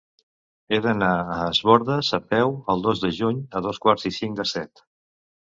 He d'anar a Es Bòrdes a peu el dos de juny a dos quarts i cinc de set.